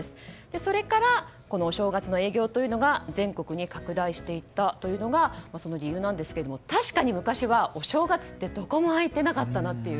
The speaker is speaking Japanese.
それからお正月の営業というのが全国に拡大していったというのがその理由なんですけれども確かに昔はお正月ってどこも開いてなかったなという。